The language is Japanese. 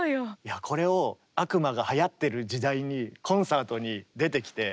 これを悪魔がはやってる時代にコンサートに出てきてしかも